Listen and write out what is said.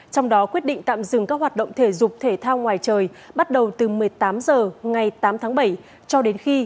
trong đó quyết định tạm dừng các hoạt động thể dục thể thao ngoài trời bắt đầu từ một mươi tám h ngày tám tháng bảy cho đến khi